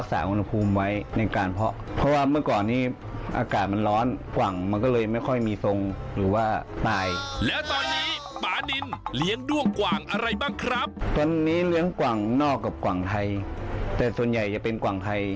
แต่ส่วนใหญ่จะเป็นกว่างไทย